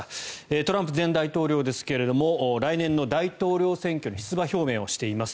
トランプ前大統領ですが来年の大統領選挙に出馬表明をしています。